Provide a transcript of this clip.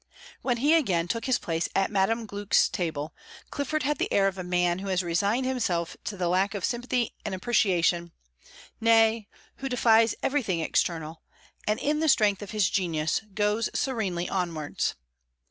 When he again took his place at Mrs. Gluck's table, Clifford had the air of a man who has resigned himself to the lack of sympathy and appreciation nay, who defies everything external, and in the strength of his genius goes serenely onwards.